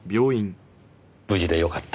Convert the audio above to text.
無事でよかった。